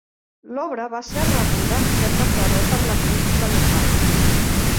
L'obra va ser rebuda amb certa fredor per la crítica local.